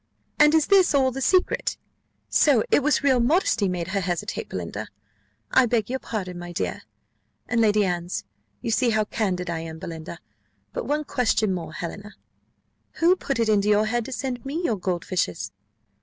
"And is this all the secret? So it was real modesty made her hesitate, Belinda? I beg your pardon, my dear, and Lady Anne's: you see how candid I am, Belinda. But one question more, Helena: Who put it into your head to send me your gold fishes?"